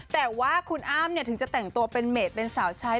แต่ว่าคุณอ้ำถึงจะแต่งตัวเป็นเมดเป็นสาวใช้